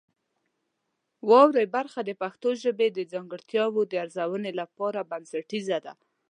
واورئ برخه د پښتو ژبې د ځانګړتیاوو د ارزونې لپاره بنسټیزه ده.